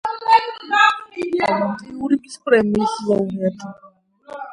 ალან ტიურინგის პრემიის ლაურეატი.